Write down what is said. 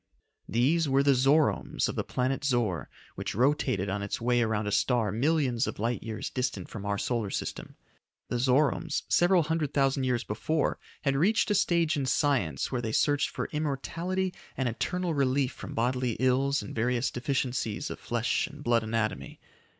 These were the Zoromes of the planet Zor which rotated on its way around a star millions of light years distant from our solar system. The Zoromes, several hundred thousand years before, had reached a stage in science, where they searched for immortality and eternal relief from bodily ills and various deficiencies of flesh and blood anatomy.